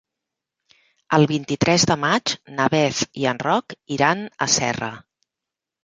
El vint-i-tres de maig na Beth i en Roc iran a Serra.